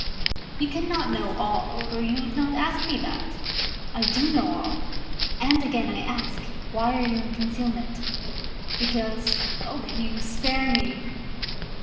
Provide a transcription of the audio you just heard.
"You cannot know all, or you would not ask me that." "I do know all; and again I ask, why are you in concealment?" "Because Oh, Hugh spare me!"